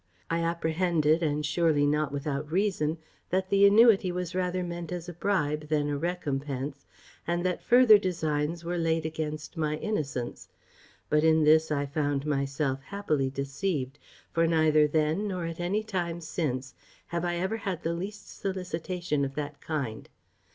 I apprehended, and surely not without reason, that the annuity was rather meant as a bribe than a recompence, and that further designs were laid against my innocence; but in this I found myself happily deceived; for neither then, nor at any time since, have I ever had the least solicitation of that kind.